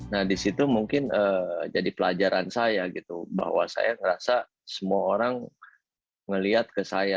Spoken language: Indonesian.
nah disitu mungkin jadi pelajaran saya gitu bahwa saya ngerasa semua orang ngelihat ke saya